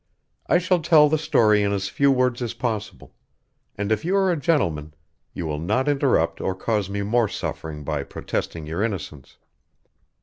"I shall tell the story in as few words as possible, and if you are a gentleman, you will not interrupt or cause me more suffering by protesting your innocence."